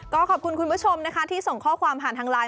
ก็ขอบคุณคุณผู้ชมนะคะที่ส่งข้อความผ่านทางไลน์